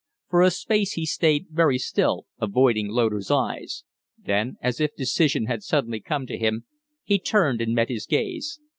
For a space he stayed very still, avoiding Loder's eyes; then, as if decision had suddenly come to him, he turned and met his gaze.